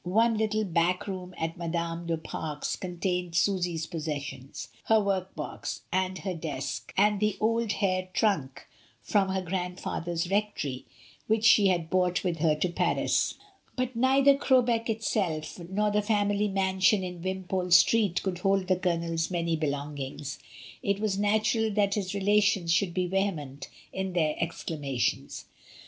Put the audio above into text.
One little back room at Madame du Fare's con tained Susy's possessions — her work box, and her desk, and the old hair trunk from her grandfather's rectory, which she had brought with her to Paris. A WEDDING PARTY. I4I But neither Crowbeck itself, nor the family mansion in Wimpole Street could hold the Colonel's many belongings. It was natural that his relations should be vehement in their exclamations.